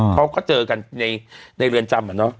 เขาก็เจอกันในเรียนจำ